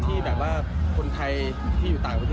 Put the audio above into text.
ที่แบบว่าคนไทยที่อยู่ต่างประเทศ